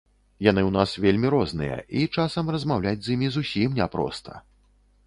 Яны ў нас вельмі розныя, і часам размаўляць з імі зусім не проста.